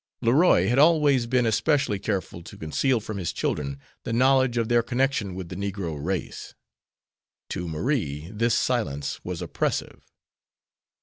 Leroy had always been especially careful to conceal from his children the knowledge of their connection with the negro race. To Marie this silence was oppressive.